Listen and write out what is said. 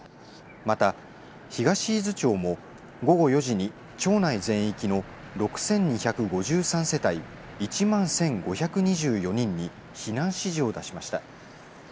また東伊豆町も午後４時に町内全域の６２５３世帯１万１５２４人に避難指示を出しました。